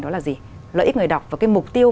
đó là gì lợi ích người đọc và cái mục tiêu